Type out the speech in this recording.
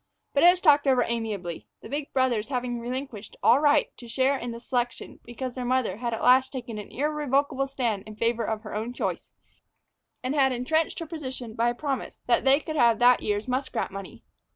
But it was talked over amicably, the big brothers having relinquished all right to a share in the selection because their mother had at last taken an irrevocable stand in favor of her own choice, and had intrenched her position by a promise that they could have that year's muskrat money.